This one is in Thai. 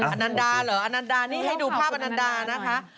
อันนันดาเหรออนันดานี่ให้ดูภาพอนันดานะคะ